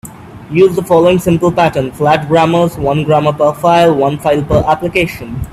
Use the following simple patterns: flat grammars, one grammar per file, one file per application.